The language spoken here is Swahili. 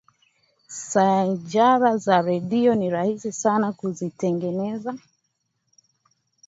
shajara za redio ni rahisi sana kuzitengeneza